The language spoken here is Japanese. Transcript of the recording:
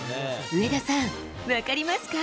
上田さん、分かりますか？